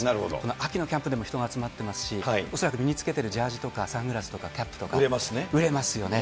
秋のキャンプでも人が集まってますし、恐らく身に着けてるジャージとかサングラスとかキャップとか、売れますよね。